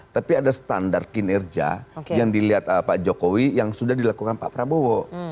tapi ada standar kinerja yang dilihat pak jokowi yang sudah dilakukan pak prabowo